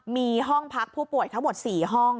มีห้องพักผู้ป่วยทั้งหมด๔ห้อง